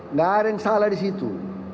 nggak ada yang salah di situ